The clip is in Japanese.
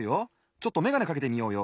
ちょっとめがねかけてみようよ。